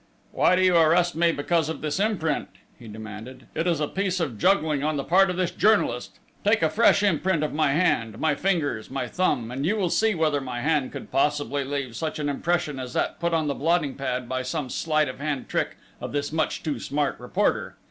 "Why do you arrest me because of this imprint?" he demanded. "It is a piece of juggling on the part of this journalist!... Take a fresh imprint of my hand, my fingers, my thumb, and you will see whether my hand could possibly leave such an impression as that put on the blotting pad, by some sleight of hand trick of this much too smart reporter!"